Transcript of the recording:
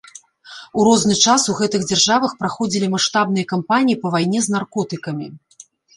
У розны час у гэтых дзяржавах праходзілі маштабныя кампаніі па вайне з наркотыкамі.